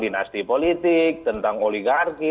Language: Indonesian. dinasti politik tentang oligarki